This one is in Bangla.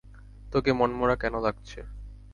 তোকে মনমরা কেন লাগছে?